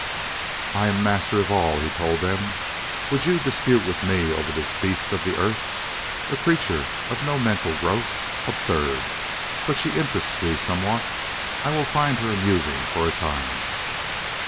"I am Master of All," he told them. "Would you dispute with me over this beast of the Earth a creature of no mental growth? Absurd! But she interests me somewhat; I will find her amusing for a time."